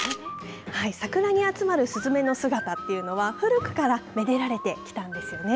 桜に集まるスズメの姿っていうのは、古くから愛でられてきたんですよね。